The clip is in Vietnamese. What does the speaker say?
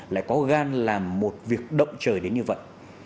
lại có gan làm một việc động trời đến như vậy